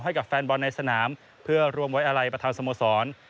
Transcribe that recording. ให้กับแฟนบอลในสนามเพื่อรวมไว้อะไรประธานสโมสร